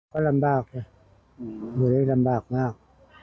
ก็ลำบากบริเวณลำบากมาก